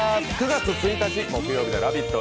９月１日木曜日の「ラヴィット！」